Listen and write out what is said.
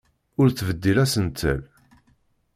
Ur ttbeddil asentel.